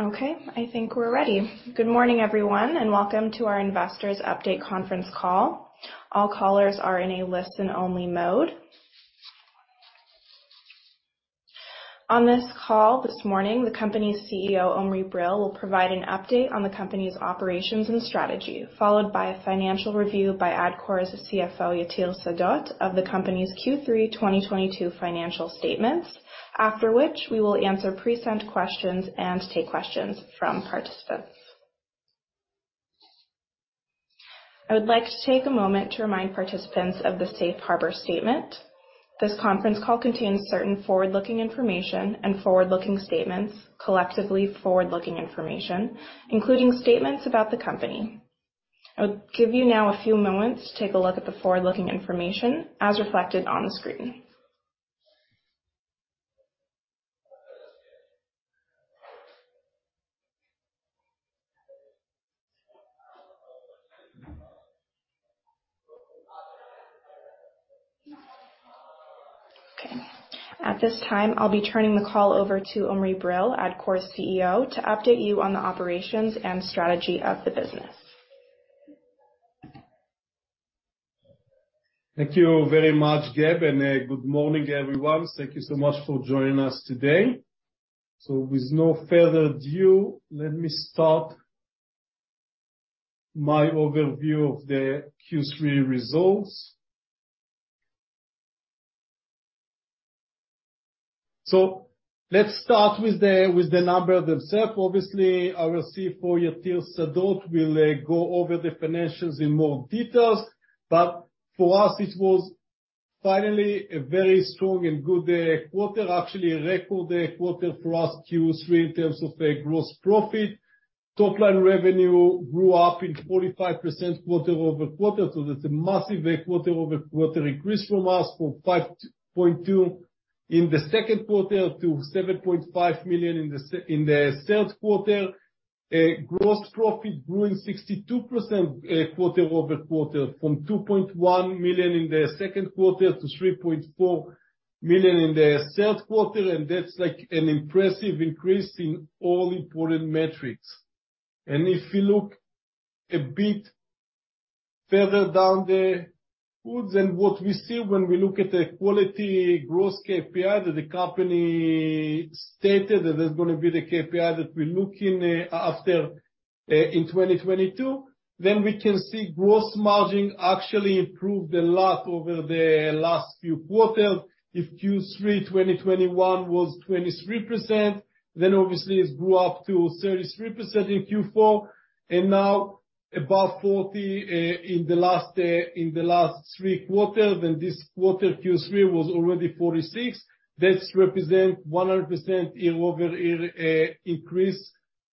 Okay, I think we're ready. Good morning, everyone, and welcome to our Investors Update Conference Call. All callers are in a listen-only mode. On this call this morning, the company's CEO, Omri Brill, will provide an update on the company's operations and strategy, followed by a financial review by Adcore's CFO, Yatir Sadot, of the company's Q3 2022 financial statements. After which, we will answer pre-sent questions and take questions from participants. I would like to take a moment to remind participants of the safe harbor statement. This conference call contains certain forward-looking information and forward-looking statements, collectively forward-looking information, including statements about the company. I'll give you now a few moments to take a look at the forward-looking information as reflected on the screen. Okay. At this time, I'll be turning the call over to Omri Brill, Adcore's CEO, to update you on the operations and strategy of the business. Thank you very much, Gab, and good morning, everyone. Thank you so much for joining us today. With no further ado, let me start my overview of the Q3 results. Let's start with the numbers themselves. Obviously, our CFO, Yatir Sadot, will go over the financials in more details. For us, it was finally a very strong and good quarter, actually a record quarter for us, Q3, in terms of gross profit. Top-line revenue grew 45% quarter-over-quarter, so that's a massive quarter-over-quarter increase from 5.2 million in the second quarter to 7.5 million in the third quarter. Gross profit growing 62% quarter-over-quarter from 2.1 million in the second quarter to 3.4 million in the third quarter, and that's like an impressive increase in all important metrics. If you look a bit further down the woods, then what we see when we look at the quality gross KPI that the company stated that is gonna be the KPI that we're looking after in 2022, then we can see gross margin actually improved a lot over the last few quarters. If Q3 2021 was 23%, then obviously it grew up to 33% in Q4, and now above 40% in the last three quarters, and this quarter, Q3, was already 46%. That represents 100% year-over-year increase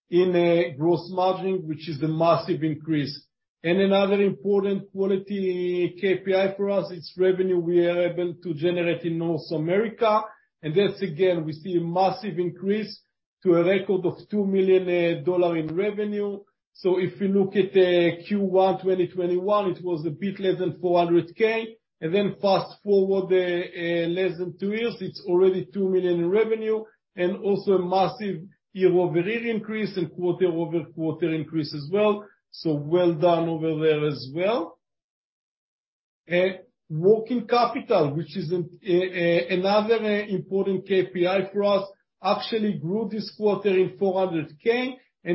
in gross margin, which is a massive increase. Another important quality KPI for us, it's revenue we are able to generate in North America. That's again we see a massive increase to a record of $2 million in revenue. If you look at Q1 2021, it was a bit less than $400K. Fast-forward less than two years, it's already $2 million in revenue and also a massive year-over-year increase and quarter-over-quarter increase as well. Well done over there as well. Working capital, which is another important KPI for us, actually grew this quarter in $400K.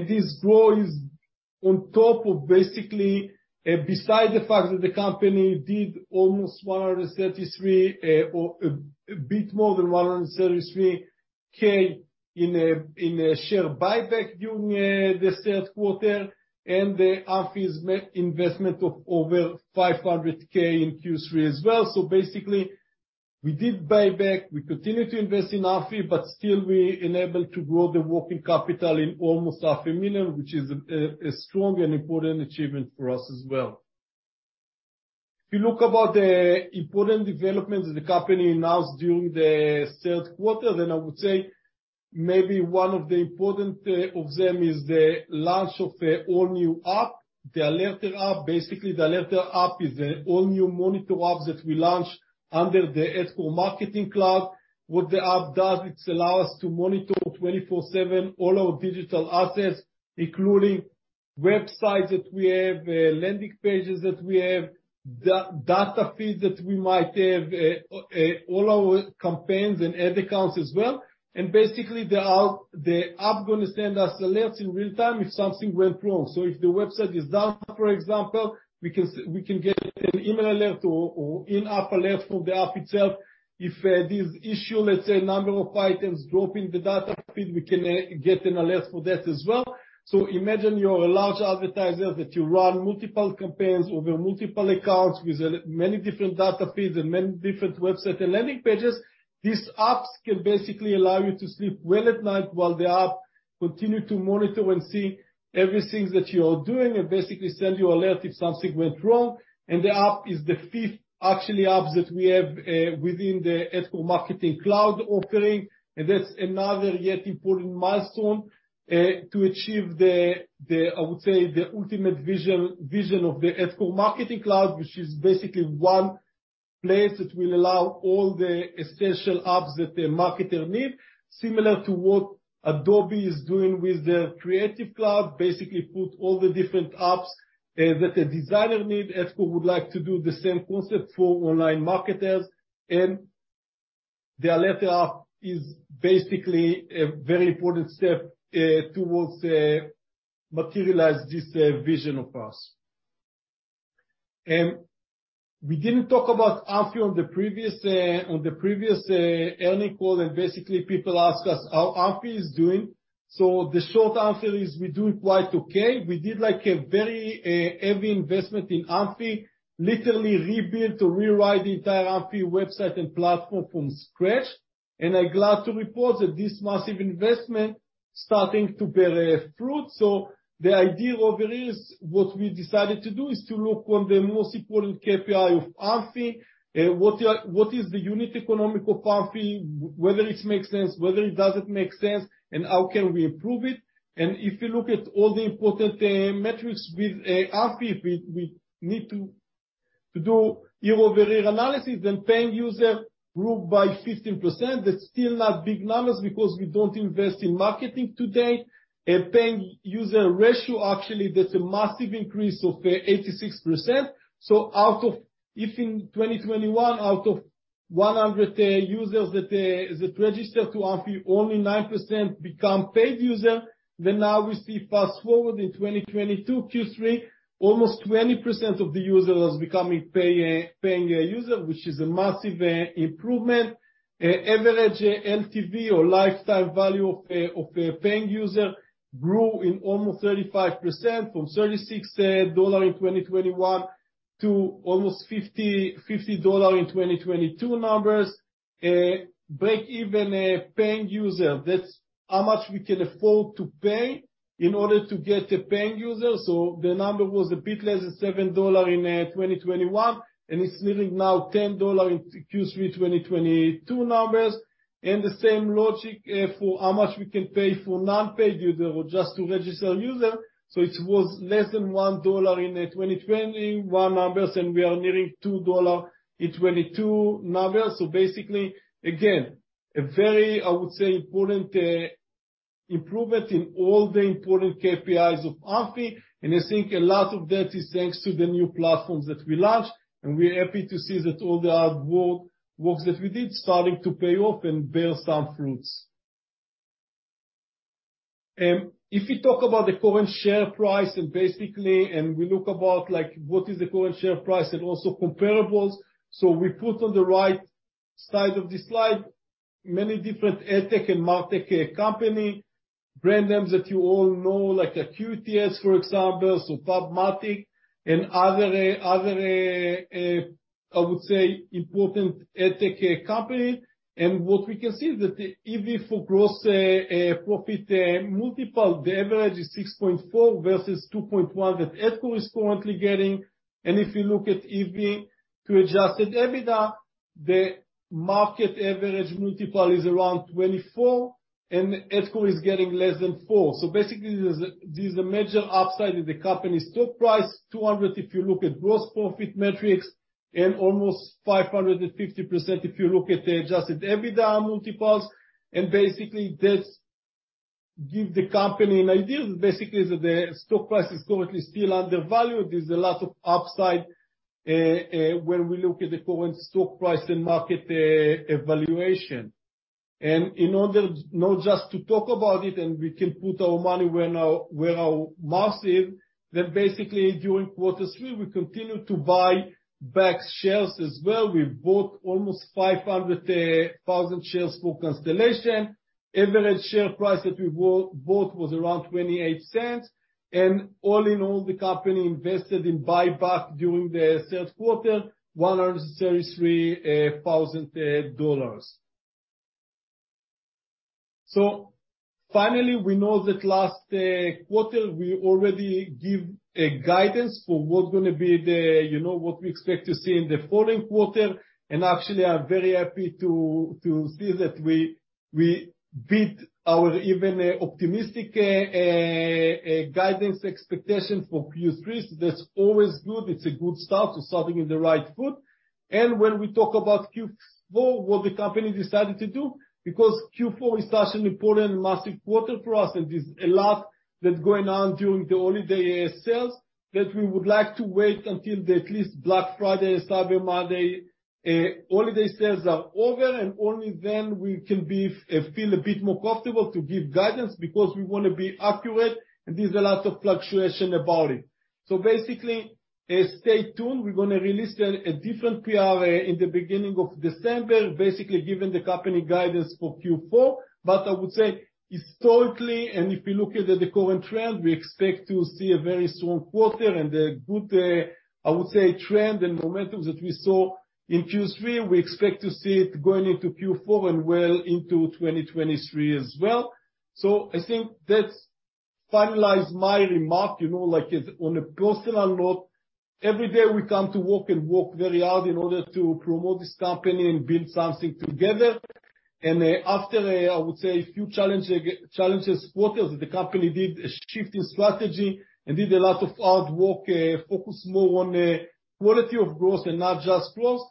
This growth is on top of basically, beside the fact that the company did almost 133,000 or a bit more than 133,000 in a share buyback during this third quarter, and the Amphy investment of over 500,000 in Q3 as well. Basically, we did a buyback, we continue to invest in Amphy, but still we were able to grow the working capital in almost half a million, which is a strong and important achievement for us as well. If you look at the important developments that the company announced during the third quarter, then I would say maybe one of the most important of them is the launch of an all-new app, the Alerter app. Basically, the Alerter app is an all-new monitoring app that we launched under the Adcore Marketing Cloud. What the app does, it allow us to monitor 24/7 all our digital assets, including websites that we have, landing pages that we have, data feeds that we might have, all our campaigns and ad accounts as well. Basically, the app gonna send us alerts in real time if something went wrong. If the website is down, for example, we can get an email alert or in-app alert from the app itself. If there's issue, let's say, number of items drop in the data feed, we can get an alert for that as well. Imagine you're a large advertiser, that you run multiple campaigns over multiple accounts with many different data feeds and many different website and landing pages. These apps can basically allow you to sleep well at night while the app continue to monitor and see everything that you are doing and basically send you alert if something went wrong. The app is the fifth actually apps that we have within the Adcore Marketing Cloud offering. That's another yet important milestone to achieve the I would say the ultimate vision of the Adcore Marketing Cloud, which is basically one place that will allow all the essential apps that a marketer need, similar to what Adobe is doing with their Creative Cloud, basically put all the different apps that a designer need. Adcore would like to do the same concept for online marketers, and the Alerter app is basically a very important step towards materialize this vision of us. We didn't talk about Amphy on the previous earnings call, and basically people ask us how Amphy is doing. The short answer is we're doing quite okay. We did, like, a very heavy investment in Amphy, literally rebuilt or rewrite the entire Amphy website and platform from scratch. I'm glad to report that this massive investment starting to bear fruit. The idea over here is what we decided to do is to look at the most important KPI of Amphy, what is the unit economics of Amphy, whether it makes sense, whether it doesn't make sense, and how can we improve it. If you look at all the important metrics with Amphy, if we talk about the current share price and basically and we look at, like, what is the current share price and also comparables. We put on the right side of the slide many different ad tech and martech company brand names that you all know, like Criteo, for example, so PubMatic and other I would say important ad tech company. What we can see that the EV for gross profit multiple the average is 6.4 versus 2.1 that Adcore is currently getting. If you look at EV to adjusted EBITDA, the market average multiple is around 24, and Adcore is getting less than four. Basically, this is a major upside in the company's stock price, 200 if you look at gross profit metrics and almost 550% if you look at the adjusted EBITDA multiples. Basically, that give the company an idea basically that the stock price is currently still undervalued. There's a lot of upside when we look at the current stock price and market evaluation. In order not just to talk about it, and we can put our money where our mouth is, then basically during quarter three, we continue to buy back shares as well. We bought almost 500,000 shares for cancellation. Average share price that we bought was around 0.28. All in all, the company invested in buyback during the third quarter, 133,000 dollars. Finally, we know that last quarter, we already give a guidance for what's gonna be the, you know, what we expect to see in the following quarter. Actually, I'm very happy to see that we beat our even optimistic guidance expectations for Q3. That's always good. It's a good start. Starting in the right foot. When we talk about Q4, what the company decided to do, because Q4 is such an important and massive quarter for us, and there's a lot that's going on during the holiday sales, that we would like to wait until at least Black Friday, Cyber Monday, holiday sales are over, and only then we can feel a bit more comfortable to give guidance because we wanna be accurate, and there's a lot of fluctuation about it. Basically, stay tuned. We're gonna release a different PR in the beginning of December, basically giving the company guidance for Q4. I would say historically, and if you look at the current trend, we expect to see a very strong quarter and a good, I would say, trend and momentum that we saw in Q3. We expect to see it going into Q4 and well into 2023 as well. I think that finalize my remark. You know, like, on a personal note, every day we come to work and work very hard in order to promote this company and build something together. After I would say a few challenging quarters, the company did a shift in strategy and did a lot of hard work, focus more on the quality of growth and not just growth.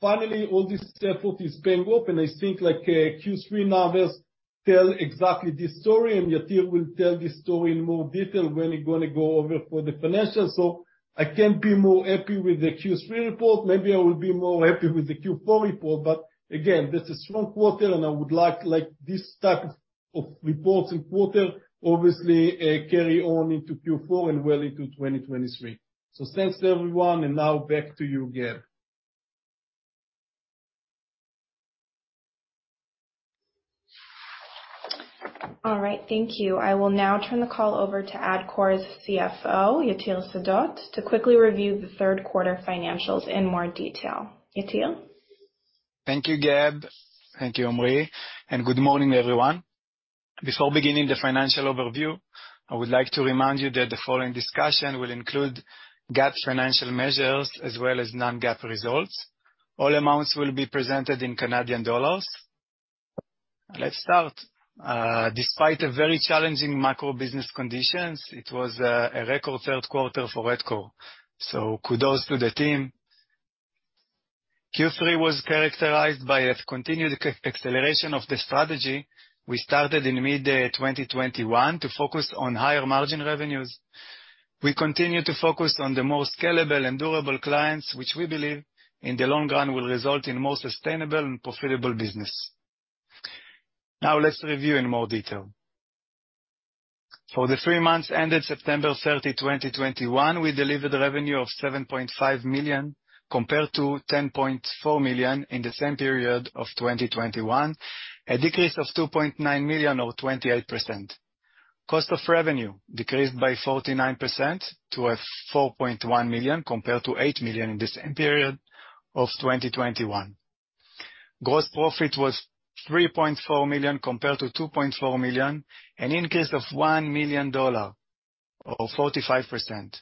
Finally, all this effort is paying off, and I think like, Q3 now does tell exactly this story, and Yatir will tell this story in more detail when he gonna go over for the financials. I can't be more happy with the Q3 report. Maybe I will be more happy with the Q4 report, but again, this is strong quarter and I would like this type of reports in quarter obviously carry on into Q4 and well into 2023. Thanks to everyone, and now back to you, Gab. All right, thank you. I will now turn the call over to Adcore's CFO, Yatir Sadot, to quickly review the third quarter financials in more detail. Yatir? Thank you, Gab. Thank you, Omri, and good morning, everyone. Before beginning the financial overview, I would like to remind you that the following discussion will include GAAP financial measures as well as non-GAAP results. All amounts will be presented in Canadian dollars. Let's start. Despite a very challenging macro business conditions, it was a record third quarter for Adcore, so kudos to the team. Q3 was characterized by a continued acceleration of the strategy we started in mid-2021 to focus on higher margin revenues. We continue to focus on the more scalable and durable clients, which we believe in the long run will result in more sustainable and profitable business. Now let's review in more detail. For the three months ended September 30, 2021, we delivered revenue of 7.5 million compared to 10.4 million in the same period of 2021, a decrease of 2.9 million or 28%. Cost of revenue decreased by 49% to 4.1 million compared to 8 million in the same period of 2021. Gross profit was 3.4 million compared to 2.4 million, an increase of 1 million dollar or 45%.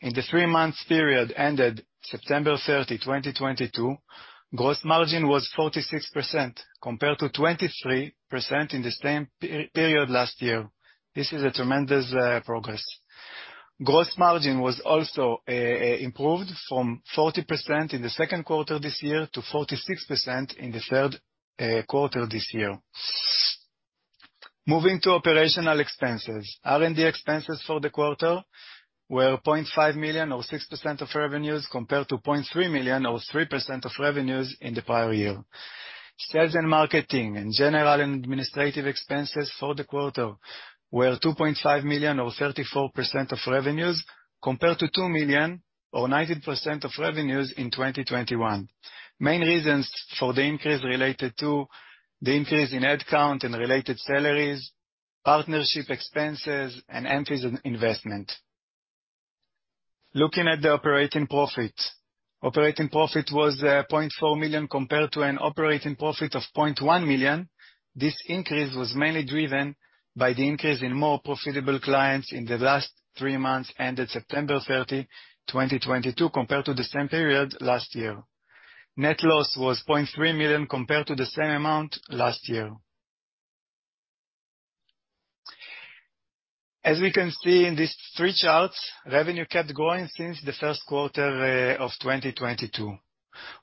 In the three-month period ended September 30, 2022, gross margin was 46% compared to 23% in the same period last year. This is a tremendous progress. Gross margin was also improved from 40% in the second quarter this year to 46% in the third quarter this year. Moving to operational expenses. R&D expenses for the quarter were 0.5 million or 6% of revenues compared to 0.3 million or 3% of revenues in the prior year. Sales and marketing and general and administrative expenses for the quarter were 2.5 million or 34% of revenues compared to 2 million or 19% of revenues in 2021. Main reasons for the increase related to the increase in headcount and related salaries, partnership expenses, and emphasis on investment. Looking at the operating profit. Operating profit was 0.4 million compared to an operating profit of 0.1 million. This increase was mainly driven by the increase in more profitable clients in the last three months ended September 30, 2022, compared to the same period last year. Net loss was 0.3 million compared to the same amount last year. As we can see in these three charts, revenue kept growing since the first quarter of 2022.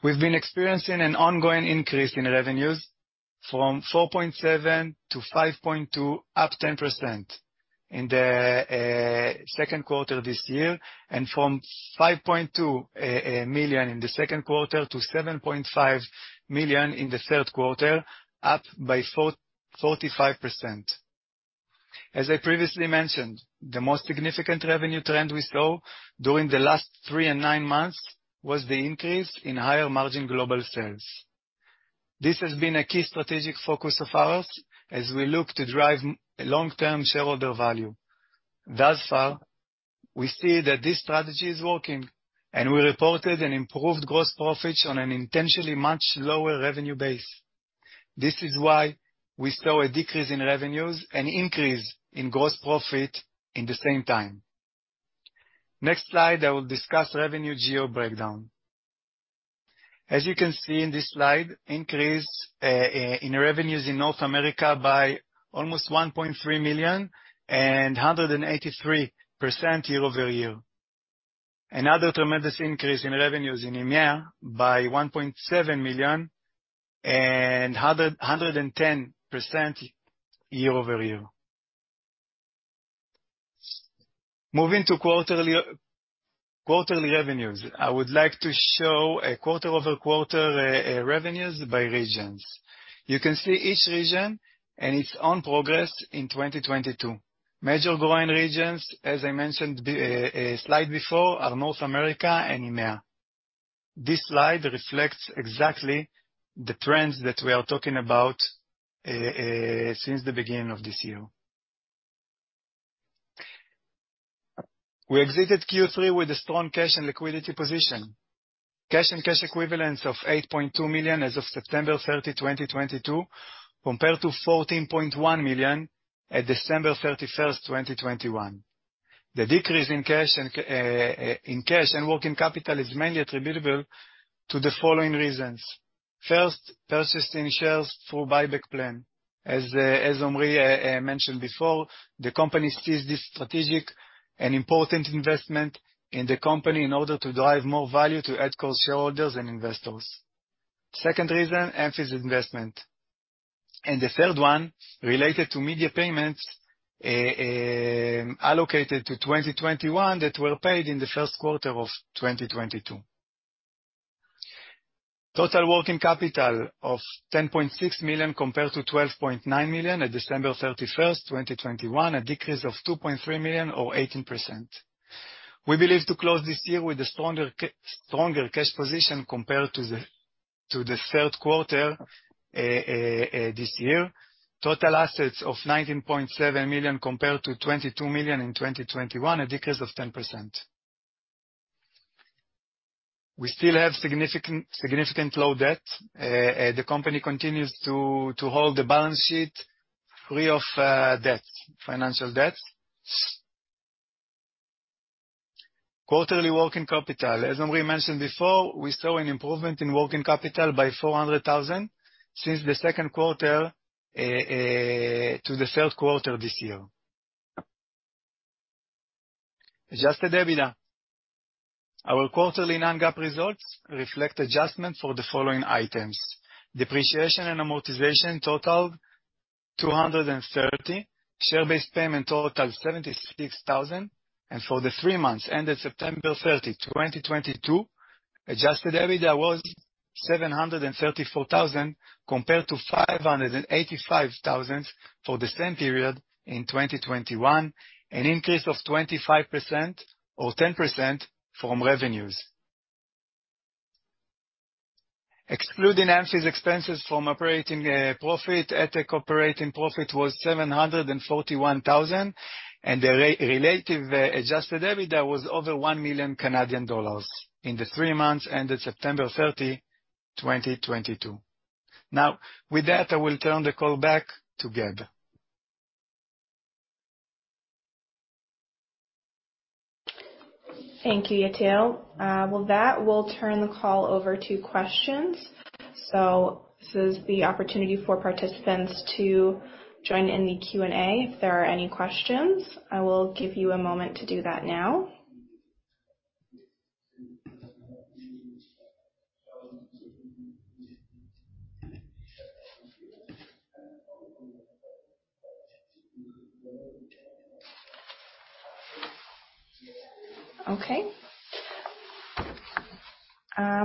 We've been experiencing an ongoing increase in revenues from 4.7 million to 5.2 million, up 10% in the second quarter this year, and from 5.2 million in the second quarter to 7.5 million in the third quarter, up 45%. As I previously mentioned, the most significant revenue trend we saw during the last three and nine months was the increase in higher margin global sales. This has been a key strategic focus of ours as we look to drive long-term shareholder value. Thus far, we see that this strategy is working, and we reported an improved gross profits on an intentionally much lower revenue base. This is why we saw a decrease in revenues and increase in gross profit in the same time. Next slide, I will discuss revenue geo breakdown. As you can see in this slide, increase in revenues in North America by almost 1.3 million and 183% year-over-year. Another tremendous increase in revenues in EMEA by 1.7 million and 110% year-over-year. Moving to quarterly revenues, I would like to show a quarter-over-quarter revenues by regions. You can see each region and its own progress in 2022. Major growing regions, as I mentioned slide before, are North America and EMEA. This slide reflects exactly the trends that we are talking about since the beginning of this year. We exited Q3 with a strong cash and liquidity position. Cash and cash equivalents of 8.2 million as of September 30, 2022, compared to 14.1 million at December 31, 2021. The decrease in cash and working capital is mainly attributable to the following reasons. First, repurchasing shares through buyback plan. As Omri mentioned before, the company sees this strategic and important investment in the company in order to derive more value to Adcore's shareholders and investors. Second reason, Amphy's investment. The third one, related to media payments allocated to 2021 that were paid in the first quarter of 2022. Total working capital of 10.6 million compared to 12.9 million at December 31, 2021, a decrease of 2.3 million or 18%. We believe to close this year with a stronger cash position compared to the third quarter this year. Total assets of 19.7 million compared to 22 million in 2021, a decrease of 10%. We still have significantly low debt. The company continues to hold the balance sheet free of debt, financial debt. Quarterly working capital. As Omri mentioned before, we saw an improvement in working capital by 400,000 since the second quarter to the third quarter this year. Adjusted EBITDA. Our quarterly non-GAAP results reflect adjustment for the following items. Depreciation and amortization totaled 230. Share-based payment totaled 76,000. For the three months ended September 30, 2022, adjusted EBITDA was 734,000, compared to 585,000 for the same period in 2021, an increase of 25% or 10% from revenues. Excluding Amphy's expenses from operating profit, Adcore operating profit was 741,000, and the relative adjusted EBITDA was over 1 million Canadian dollars in the three months ended September 30, 2022. Now, with that, I will turn the call back to Gab. Thank you, Yatir. With that, we'll turn the call over to questions. This is the opportunity for participants to join in the Q&A if there are any questions. I will give you a moment to do that now. Okay.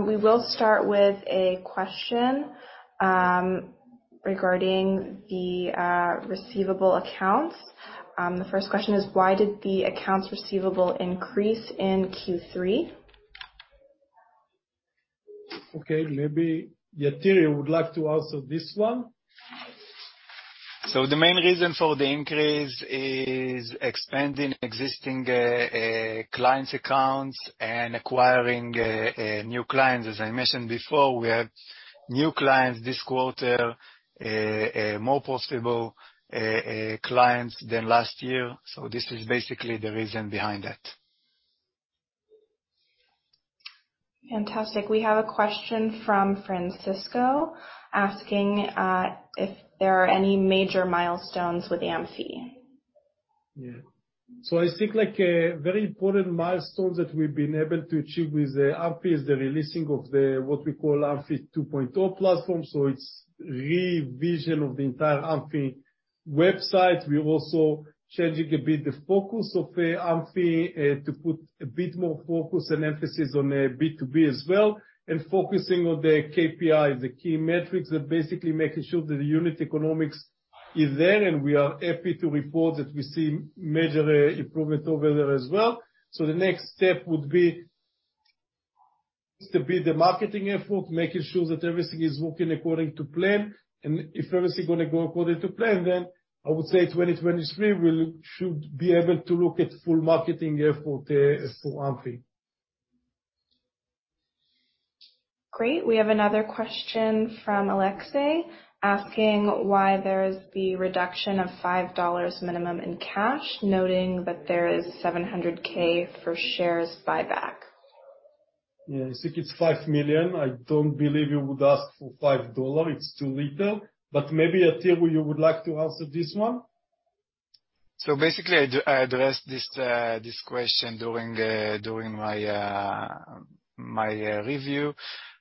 We will start with a question regarding the accounts receivable. The first question is why did the accounts receivable increase in Q3? Okay. Maybe Yatir would like to answer this one. The main reason for the increase is expanding existing clients' accounts and acquiring new clients. As I mentioned before, we have new clients this quarter, more potential clients than last year, so this is basically the reason behind that. Fantastic. We have a question from Francisco asking if there are any major milestones with Amphy. Yeah. I think like a very important milestone that we've been able to achieve with the Amphy is the releasing of the, what we call Amphy 2.0 platform, so it's revision of the entire Amphy website. We're also changing a bit the focus of, Amphy, to put a bit more focus and emphasis on, B2B as well, and focusing on the KPIs, the key metrics that basically making sure that the unit economics is there. We are happy to report that we see major, improvement over there as well. The next step would be to build the marketing effort, making sure that everything is working according to plan. If everything gonna go according to plan, then I would say 2023, should be able to look at full marketing effort, for Amphy. Great. We have another question from Alexei asking why there is the reduction of 5 dollars minimum in cash, noting that there is 700,000 for share buyback. Yeah. I think it's 5 million. I don't believe you would ask for 5 dollar. It's too little. Maybe, Yatir, you would like to answer this one. Basically, I addressed this question during my review.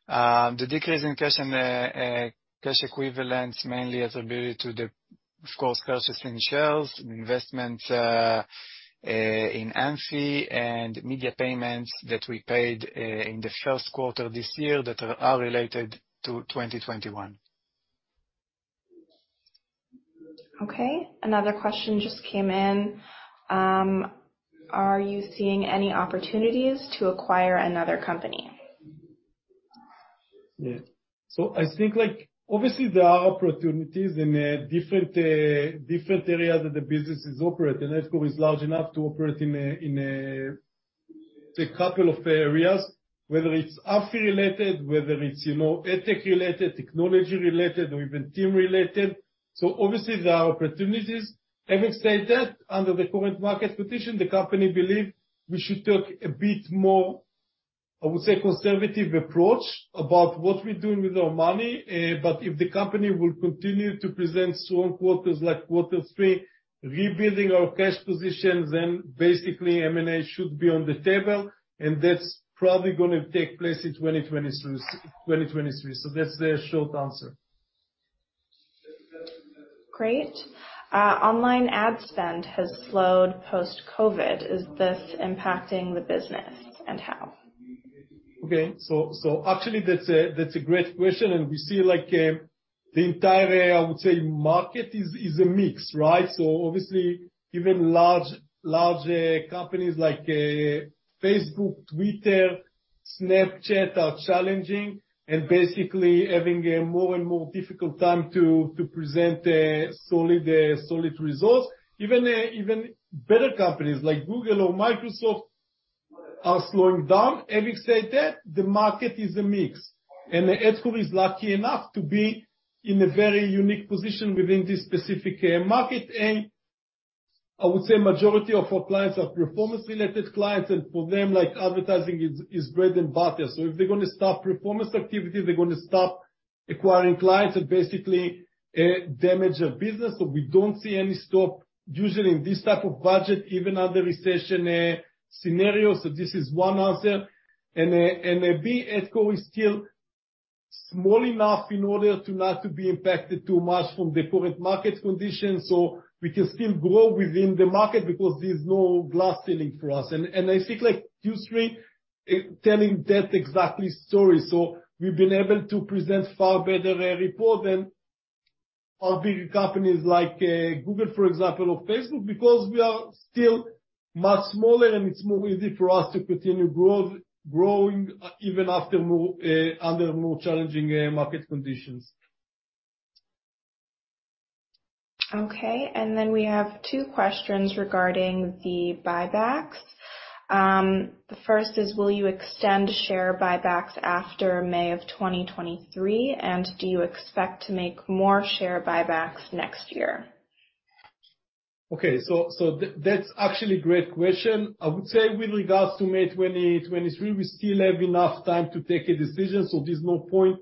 The decrease in cash and cash equivalents mainly attributed to the..., of course, purchasing shares, investment in Amphy, and media payments that we paid in the first quarter this year that are related to 2021. Okay. Another question just came in. Are you seeing any opportunities to acquire another company? Yeah. I think like obviously there are opportunities in different areas that the businesses operate, and Adcore is large enough to operate in a couple of areas, whether it's Amphy related, whether it's, you know, ad tech related, technology related or even team related. Obviously, there are opportunities. Having said that, under the current market condition, the company believe we should take a bit more, I would say, conservative approach about what we're doing with our money. If the company will continue to present strong quarters like quarter three, rebuilding our cash position, then basically M&A should be on the table, and that's probably gonna take place in 2023. That's the short answer. Great. Online ad spend has slowed post-COVID. Is this impacting the business and how? Okay. Actually that's a great question, and we see like the entire, I would say, market is a mix, right? Obviously, even large companies like Facebook, Twitter, Snapchat are challenging and basically having a more and more difficult time to present solid results. Even better companies like Google or Microsoft are slowing down. Having said that, the market is a mix, and Adcore is lucky enough to be in a very unique position within this specific market. I would say majority of our clients are performance-related clients, and for them, like advertising is bread and butter. If they're gonna stop performance activity, they're gonna stop acquiring clients and basically damage their business. We don't see any stop usually in this type of budget, even under recession scenarios. This is one answer. But Adcore is still small enough in order to not to be impacted too much from the current market conditions. We can still grow within the market because there's no glass ceiling for us. I think like Q3 telling that exactly story. We've been able to present far better report than our bigger companies like Google, for example, or Facebook, because we are still much smaller and it's more easy for us to continue growing even under more challenging market conditions. Okay. We have two questions regarding the buybacks. The first is, will you extend share buybacks after May of 2023, and do you expect to make more share buybacks next year? Okay. That's actually great question. I would say with regards to May 2023, we still have enough time to take a decision, so there's no point.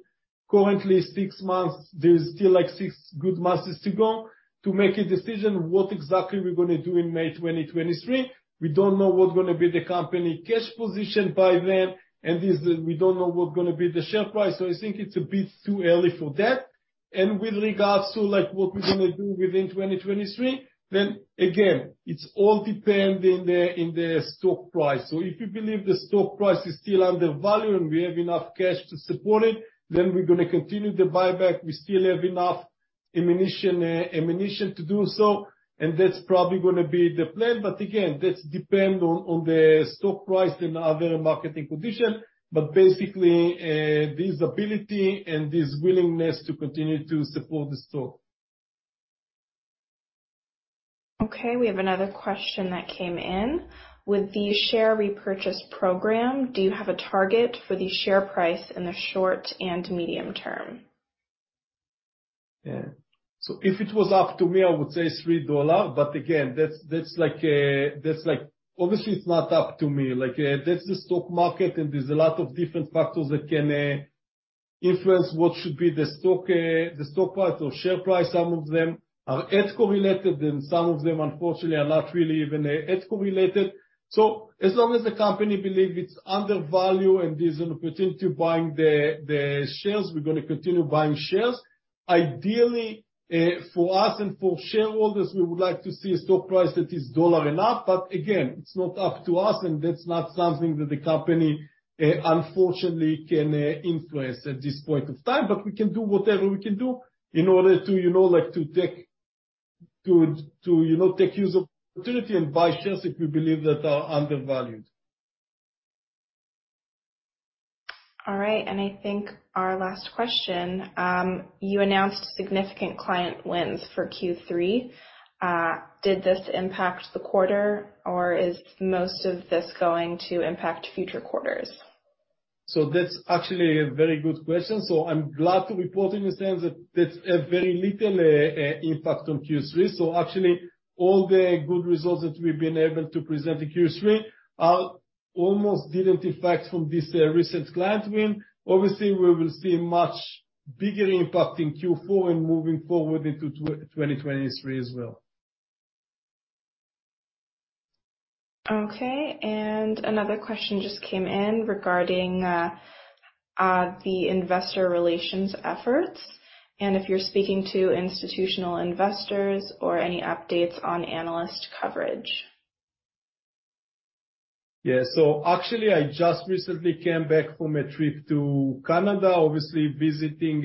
Currently six months, there's still like six good months to go to make a decision what exactly we're gonna do in May 2023. We don't know what's gonna be the company cash position by then, and we don't know what's gonna be the share price. I think it's a bit too early for that. With regards to like what we're gonna do within 2023, then again, it's all depends on the stock price. If you believe the stock price is still undervalued and we have enough cash to support it, then we're gonna continue the buyback. We still have enough ammunition to do so, and that's probably gonna be the plan. Again, that's depend on the stock price and other market conditions. Basically, there's ability and there's willingness to continue to support the stock. Okay, we have another question that came in. With the share repurchase program, do you have a target for the share price in the short and medium term? Yeah. If it was up to me, I would say 3 dollar, but again, that's like. Obviously, it's not up to me. Like, that's the stock market and there's a lot of different factors that can influence what should be the stock price or share price. Some of them are Adcore related, and some of them, unfortunately, are not really even Adcore related. As long as the company believes it's undervalued and there's an opportunity buying the shares, we're gonna continue buying shares. Ideally, for us and for shareholders, we would like to see a stock price that is a dollar and up. But again, it's not up to us, and that's not something that the company, unfortunately can influence at this point in time. We can do whatever we can do in order to, you know, like, to make use of opportunity and buy shares if we believe that are undervalued. All right. I think our last question. You announced significant client wins for Q3. Did this impact the quarter or is most of this going to impact future quarters? That's actually a very good question. I'm glad to report in the sense that that's a very little impact on Q3. Actually all the good results that we've been able to present in Q3 are almost not affected by this recent client win. Obviously, we will see much bigger impact in Q4 and moving forward into 2023 as well. Okay. Another question just came in regarding the investor relations efforts, and if you're speaking to institutional investors or any updates on analyst coverage? Actually, I just recently came back from a trip to Canada, obviously visiting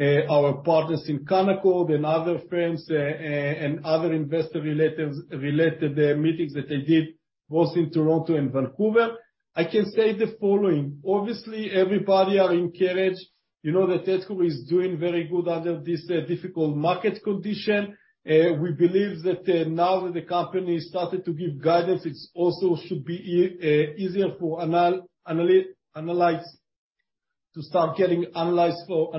our partners in Canaccord and other firms, and other investor relations meetings that I did, both in Toronto and Vancouver. I can say the following: Obviously, everybody is encouraged. You know that Adcore is doing very good under this difficult market condition. We believe that, now that the company started to give guidance, it should also be easier for analysts to start analyzing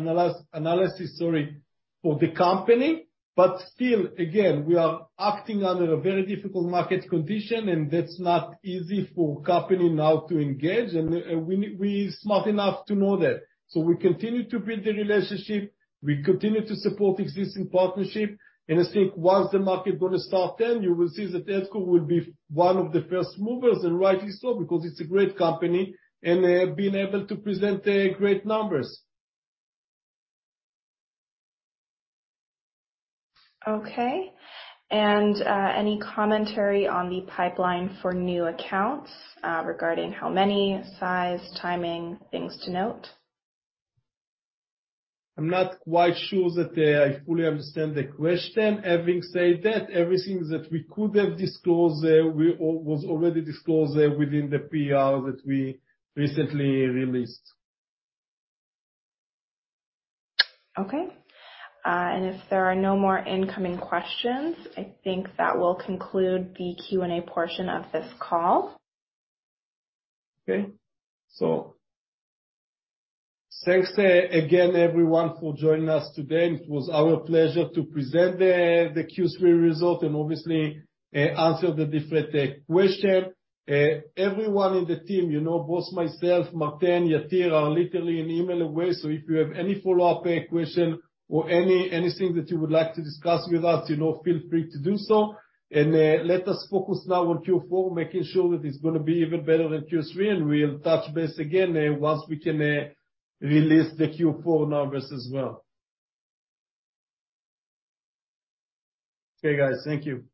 the company. But still, again, we are acting under a very difficult market condition, and that's not easy for the company now to engage. We are smart enough to know that. We continue to build the relationship. We continue to support existing partnership. I think once the market gonna start, then you will see that Adcore will be one of the first movers, and rightly so, because it's a great company, and been able to present great numbers. Okay. Any commentary on the pipeline for new accounts, regarding how many, size, timing, things to note? I'm not quite sure that I fully understand the question. Having said that, everything that we could have disclosed was already disclosed within the PR that we recently released. Okay. If there are no more incoming questions, I think that will conclude the Q&A portion of this call. Okay. Thanks, again, everyone, for joining us today. It was our pleasure to present the Q3 result and obviously answer the different question. Everyone in the team, you know, both myself, Martin, Yatir, are literally an email away, so if you have any follow-up question or anything that you would like to discuss with us, you know, feel free to do so. Let us focus now on Q4, making sure that it's gonna be even better than Q3, and we'll touch base again once we can release the Q4 numbers as well. Okay, guys. Thank you.